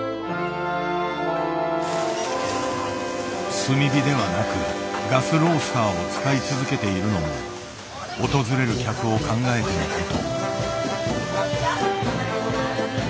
炭火ではなくガスロースターを使い続けているのも訪れる客を考えてのこと。